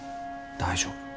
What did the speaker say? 大丈夫。